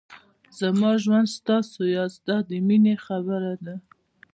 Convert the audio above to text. زما ژوند تاسو یاست دا د مینې خبره ده.